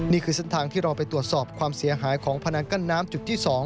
นี่คือเส้นทางที่เราไปตรวจสอบความเสียหายของพนังกั้นน้ำจุดที่๒